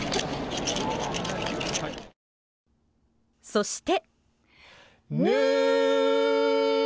そして。